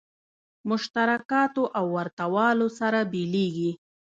مشترکاتو او ورته والو سره بېلېږي.